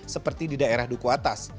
seperti di daerah duku atas